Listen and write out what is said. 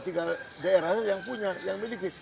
tinggal dua tiga daerahnya yang punya yang miliki